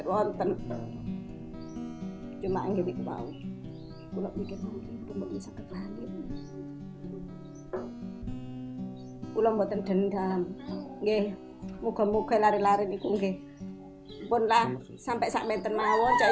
k comigo mendukung mereka memulai nelayan